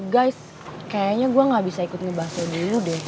guys kayaknya gue gak bisa ikut ngebahasnya dulu deh